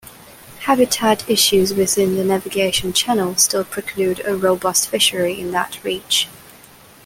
Habitat issues within the navigation channel still preclude a robust fishery in that reach.